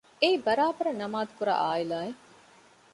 އެއީ ބަރާބަރަށް ނަމާދުކުރާ ޢާއިލާއެއް